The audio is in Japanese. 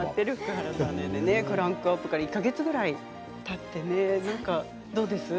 クランクアップから１か月くらいたってどうですか？